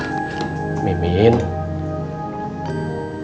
ki miss mas aes gelenin ya sih